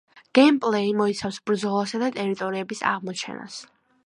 გეიმპლეი მოიცავს ბრძოლასა და ტერიტორიების აღმოჩენას.